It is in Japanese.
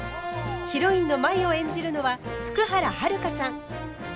ヒロインの舞を演じるのは福原遥さん。